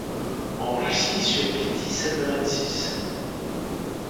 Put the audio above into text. En Russie sur Vitis amurensis.